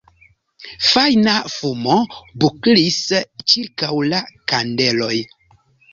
Fajna fumo buklis ĉirkaŭ la kandeloj.